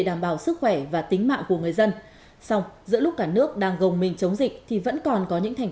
là em nó không đeo khẩu trang